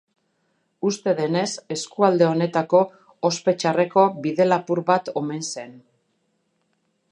Uste denez eskualde honetako ospe txarreko bide-lapur bat omen zen.